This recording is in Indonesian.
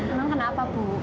emang kenapa bu